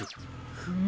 フム！